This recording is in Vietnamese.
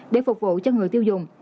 để phục vụ cho người tiêu dùng